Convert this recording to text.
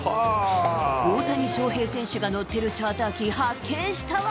大谷翔平選手が乗ってるチャーター機、発見したわ。